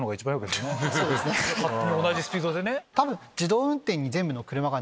勝手に同じスピードでね。